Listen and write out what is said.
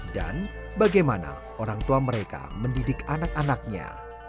dan bagaimana orang tua mereka mendidik anak anaknya